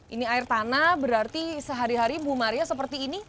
ini air tanah berarti sehari hari ibu maria seperti ini